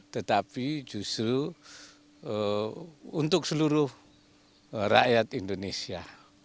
tapi justru untuk seluruh rakyat yang keputusan yakni di indonesia